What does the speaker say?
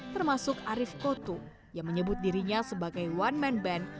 termasuk arief kotu yang menyebut dirinya sebagai one man band